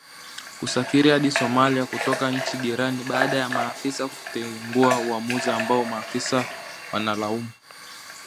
kusafiri hadi Somalia kutoka nchi jirani baada ya maafisa kutengua uamuzi ambao maafisa wanalaumu